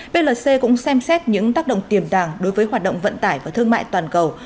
plc cũng xem xét những tác động tiềm đàng đối với hoạt động vận tải và thương mại toàn cầu